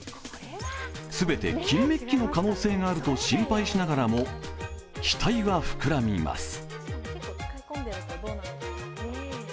全て金めっきの可能性があると心配しながらも、期待は膨らみます